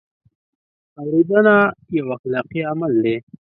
اورېدنه یو اخلاقي عمل دی.